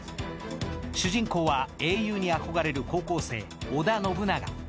主人公は、英雄に憧れる高校生、尾田信長。